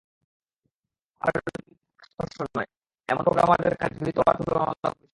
আবার লৈঙ্গিক পরিচয় স্পষ্ট নয়—এমন প্রোগ্রামারদের কাজ গৃহীত হওয়ার হার তুলনামূলক বেশি।